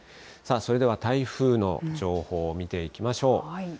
それでは台風の情報を見ていきま